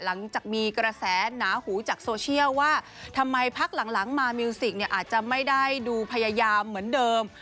หลังจากมีกระแสหนาหูจากโซเชียลว่าทำไมพักหลังมามิวสิกเนี่ยอาจจะไม่ได้ดูพยายามเหมือนเดิม